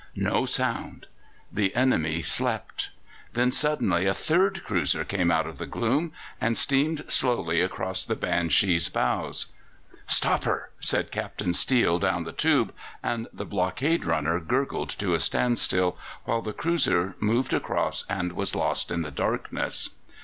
No sound! The enemy slept! Then suddenly a third cruiser came out of the gloom and steamed slowly across the Banshee's bows. "Stop her," said Captain Steele down the tube, and the blockade runner gurgled to a standstill, while the cruiser moved across and was lost in the darkness.